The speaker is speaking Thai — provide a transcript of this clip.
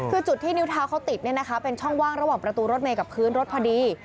คือจุดที่นิ้วเท้าเขาติดเป็นช่องว่างระหว่างประตูรถเมย์กับพื้นรถพอดี